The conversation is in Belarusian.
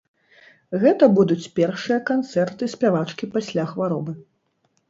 Гэта будуць першыя канцэрты спявачкі пасля хваробы.